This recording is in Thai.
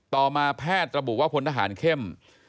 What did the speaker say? ต่อมาแพทย์ระบุว่าพลทหารเข้ม